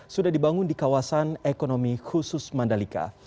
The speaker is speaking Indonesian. sudah dibangun di kawasan ekonomi khusus mandalika